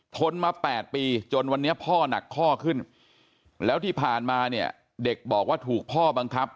ทนมา๘ปีจนวันนี้พ่อหนักข้อขึ้นแล้วที่ผ่านมาเนี่ยเด็กบอกว่าถูกพ่อบังคับ